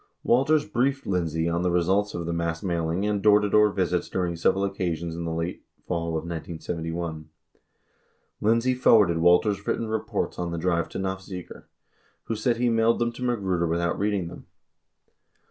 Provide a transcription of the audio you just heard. Walters briefed Lindsey on the results of the mass mailing and door to door visits during several occasions in the late fall of 1971. Lindsey forwarded Walters' written reports on the drive to Nofziger, 77 who said he mailed them to Magruder without reading them.